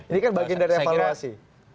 ini kan bagian dari evaluasi